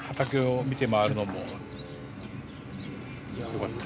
よかった。